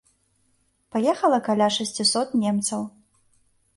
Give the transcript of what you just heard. Паехала каля шасцісот немцаў.